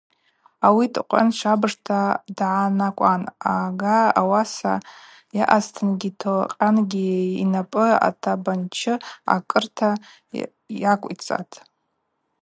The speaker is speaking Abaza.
Ауи Токъан швабыжта дгӏанакӏуан, ага ауаса йаъазтынгьи Токъангьи йнапӏы атабанчы акӏырта йаквицӏатӏ.